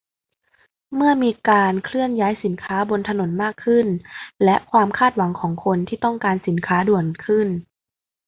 เมื่อมีการเคลื่อนย้ายสินค้าบนถนนมากขึ้น และความคาดหวังของคนที่ต้องการสินค้าด่วนขึ้น